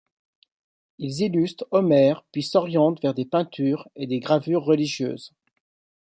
Ils illustrent Homère puis s'orientent vers des peintures et des gravures religieuses.